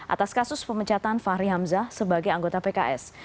atas kasus pemecatan fahri hamzah sebagai anggota pks